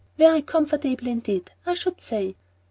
"Very comfortable indeed, I should say."